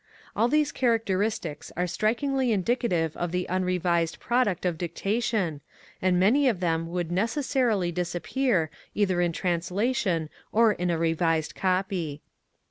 All these characteristics are strikingly indicative of the unrevised product of dictation, and many of them would necessarily disappear either in translation or in a revised copy.